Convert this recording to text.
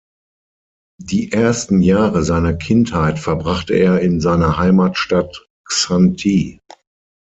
Die ersten Jahre seiner Kindheit verbrachte er in seiner Heimatstadt Xanthi.